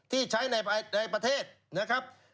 ที่ใช้ในประเทศนะครับ